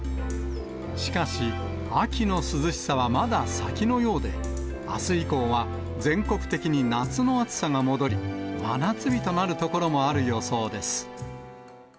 しかし、秋の涼しさはまだ先のようで、あす以降は全国的に夏の暑さが戻り、真夏日となる所もある予想です。